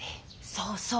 そうそう。